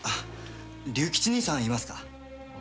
竜吉兄さんいますか？